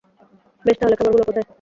বেশ তাহলে, খাবার গুলো কোথায়।